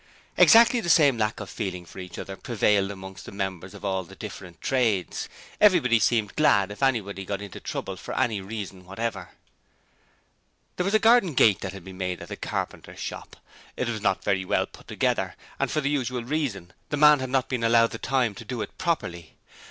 Exactly the same lack of feeling for each other prevailed amongst the members of all the different trades. Everybody seemed glad if anybody got into trouble for any reason whatever. There was a garden gate that had been made at the carpenter's shop: it was not very well put together, and for the usual reason; the man had not been allowed the time to do it properly.